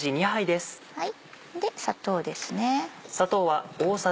砂糖ですね。